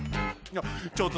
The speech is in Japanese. ちょっと！